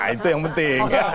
itu yang penting